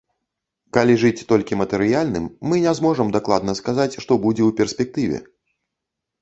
Калі жыць толькі матэрыяльным, мы не зможам дакладна сказаць, што будзе ў перспектыве.